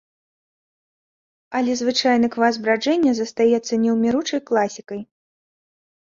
Але звычайны квас браджэння застаецца неўміручай класікай.